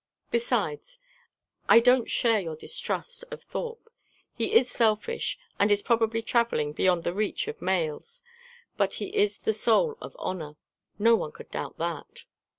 Besides, I don't share your distrust of Thorpe. He is selfish, and is probably travelling beyond the reach of mails; but he is the soul of honour: no one could doubt that."